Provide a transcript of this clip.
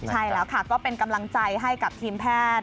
ใช่แล้วค่ะก็เป็นกำลังใจให้กับทีมแพทย์